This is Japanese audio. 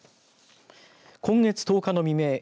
今月１０日の未明